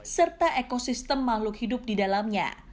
serta ekosistem makhluk hidup di dalamnya